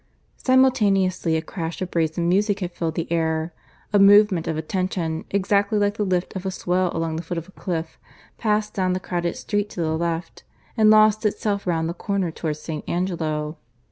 Simultaneously a crash of brazen music had filled the air. A movement of attention, exactly like the lift of a swell along the foot of a cliff, passed down the crowded street to the left and lost itself round the corner towards S. Angelo.